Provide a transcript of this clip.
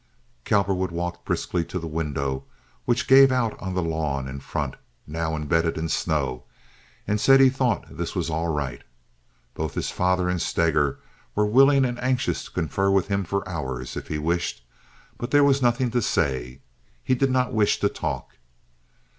Cowperwood walked briskly to the window, which gave out on the lawn in front, now embedded in snow, and said he thought this was all right. Both his father and Steger were willing and anxious to confer with him for hours, if he wished; but there was nothing to say. He did not wish to talk.